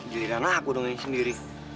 jelirana aku dengan sendiri